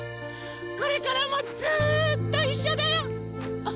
これからもずっといっしょだよ！